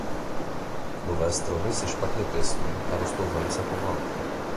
Nové stromy se špatně pěstují a rostou velice pomalu.